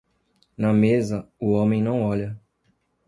Na mesa, o homem não olha.